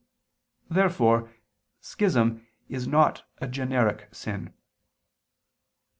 Therefore schism is not a generic sin.